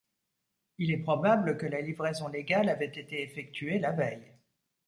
Il est probable que la livraison légale avait été effectuée la veille.